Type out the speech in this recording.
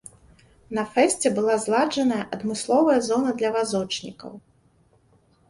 На фэсце была зладжаная адмысловая зона для вазочнікаў.